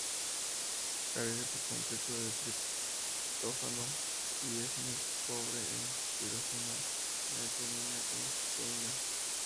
Carece por completo de triptófano, y es muy pobre en tirosina, metionina y cisteína.